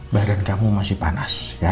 badan kamu masih panas